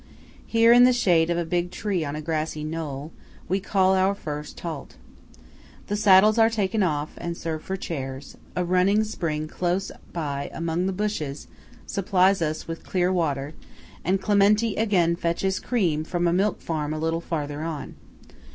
Here, in the shade of a big tree on a grassy knoll, we call our first halt. The saddles are taken off, and serve for chairs; a running spring close by among the bushes supplies us with clear water; and Clementi again fetches cream from a milk farm a little farther on.